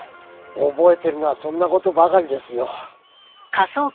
覚えてるのはそんな事ばかりですよ。